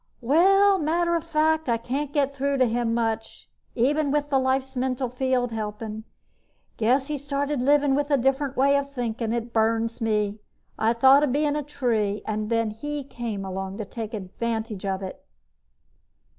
"Well ... matter of fact, I can't get through to him much, even with the Life's mental field helping. Guess he started living with a different way of thinking. It burns me. I thought of being a tree, and then he came along to take advantage of it!"